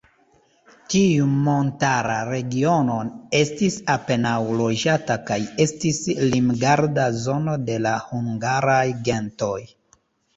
Tiu montara regiono estis apenaŭ loĝata kaj estis limgarda zono de la hungaraj gentoj.